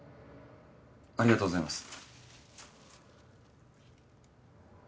ありがとうございます。